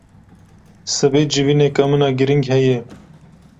Sibê civîneka min a giring heye.